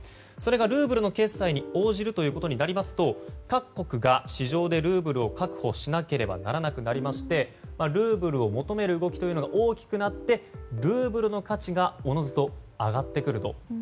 それがルーブルの決済に応じるということになりますと各国が市場でルーブルを確保しなければならなくなりましてルーブルを求める動きが大きくなってルーブルの価値がおのずと上がってくると。